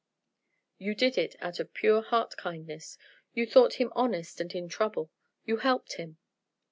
"You did it out of pure heart kindness. You thought him honest and in trouble; you helped him."